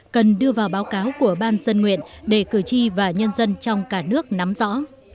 cần đưa vào báo cáo của ban dân nguyện để cử tri và nhân dân trong cả nước nắm rõ